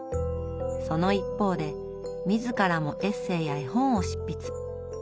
その一方で自らもエッセーや絵本を執筆。